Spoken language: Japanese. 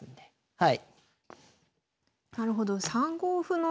はい。